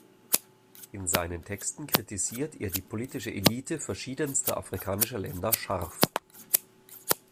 In seinen Texten kritisiert er die politische Elite verschiedenster afrikanischer Länder scharf.